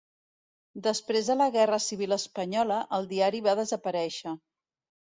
Després de la Guerra Civil Espanyola, el diari va desaparèixer.